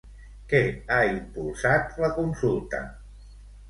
Què ha impulsat la consulta?